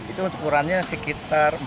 itu ukurannya sekitar empat x enam